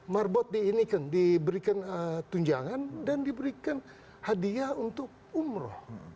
marbot diberikan tunjangan dan diberikan hadiah untuk umroh